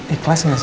ikhlas gak sih